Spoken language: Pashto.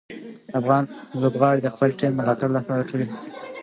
افغان لوبغاړي د خپلې ټیم د ملاتړ لپاره ټولې هڅې کوي.